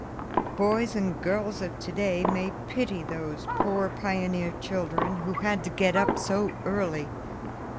Boys and girls of today may pity those poor pioneer children who had to get up so early.